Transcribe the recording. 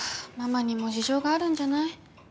ママにも事情があるんじゃない？